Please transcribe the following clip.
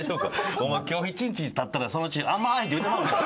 お前今日一日たったらそのうち「あまい」って言うてまうんちゃう？